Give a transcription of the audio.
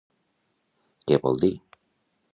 Què vol dir?